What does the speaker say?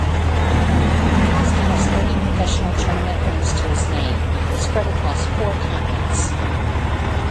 Frost has thirty professional tournament wins to his name, spread across four continents.